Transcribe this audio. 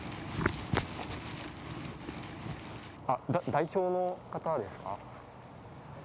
代表の方ですか？